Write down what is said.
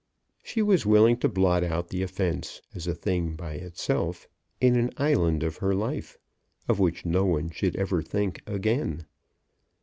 She was willing to blot out the offence, as a thing by itself, in an island of her life, of which no one should ever think again.